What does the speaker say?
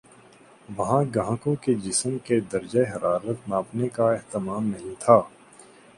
وہاں گاہکوں کے جسم کے درجہ حرارت ناپنے کا اہتمام نہیں تھا